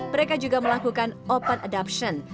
mereka juga melakukan open adoption